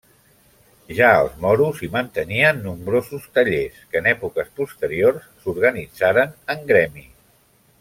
Ja els moros hi mantenien nombrosos tallers, que en èpoques posteriors s'organitzaren en gremi.